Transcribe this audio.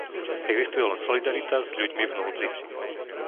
Existuje len solidarita s ľuďmi v núdzi.